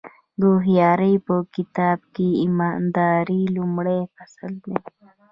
د هوښیارۍ په کتاب کې ایمانداري لومړی فصل دی.